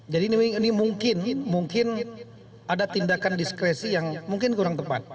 jadi ini mungkin ada tindakan diskresi yang mungkin kurang tepat